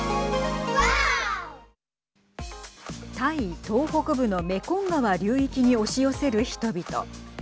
タイ東北部のメコン川流域に押し寄せる人々。